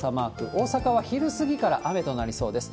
大阪は昼過ぎから雨となりそうです。